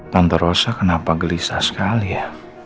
tante rosa kenapa gelisah sekali ya